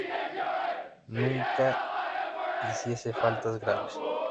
Aunque nunca hiciese faltas graves.